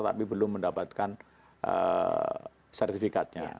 tapi belum mendapatkan sertifikatnya